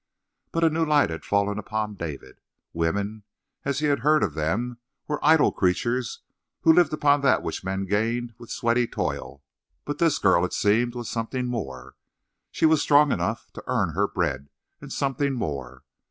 But a new light had fallen upon David. Women, as he had heard of them, were idle creatures who lived upon that which men gained with sweaty toil, but this girl, it seemed, was something more. She was strong enough to earn her bread, and something more.